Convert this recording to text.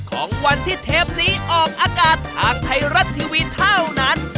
ของวันที่เทปนี้ออกอากาศทางไทยรัฐทีวีเท่านั้น